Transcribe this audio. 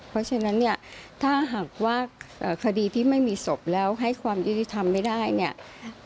เพราะฉะนั้นเนี่ยถ้าหากว่าคดีที่ไม่มีศพแล้วให้ความยุติธรรมไม่ได้เนี่ย